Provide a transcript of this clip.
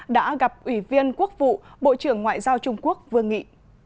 đã gặp ủy viên quốc vụ bộ trưởng ngoại giao trung quốc vương nghị